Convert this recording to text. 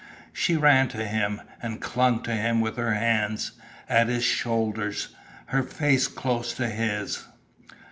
She ran to him, and clung to him with her hands at his shoulders, her face close to his.